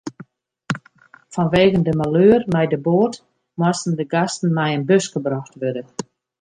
Fanwegen de maleur mei de boat moasten de gasten mei in buske brocht wurde.